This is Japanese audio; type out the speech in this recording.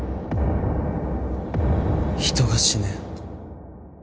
人が死ぬ。